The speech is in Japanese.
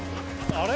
あれ？